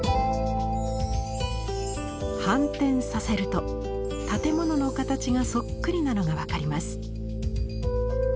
反転させると建物の形がそっくりなのが分かります。